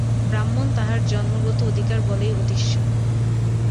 ব্রাহ্মণ তাঁর জন্মগত অধিকারবলেই অধীশ্বর।